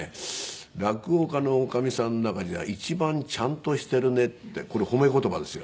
落語家の女将さんの中じゃ一番ちゃんとしてるね」ってこれ褒め言葉ですよ。